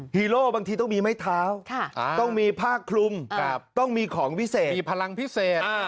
ฮีโร่บางทีต้องมีไม้เท้าต้องมีผ้าคลุมต้องมีของพิเศษมีพลังพิเศษ